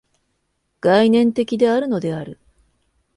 概念的であるのである。